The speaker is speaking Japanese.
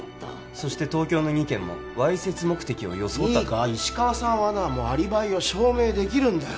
そして東京の２件もわいせつ目的を装ったいいか石川さんはなもうアリバイを証明できるんだよ